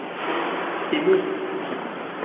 จิมมี่